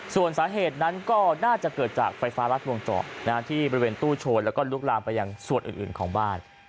ส่วนสาเหตุนั้นก็น่าจะเกิดจากไฟฟ้ารัดวงเจาะที่บริเวณตู้โชนแล้วก็ลุกลามไปยังส่วนอื่นของบ้าน